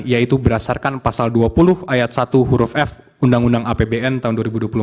yaitu berdasarkan pasal dua puluh ayat satu huruf f undang undang apbn tahun dua ribu dua puluh empat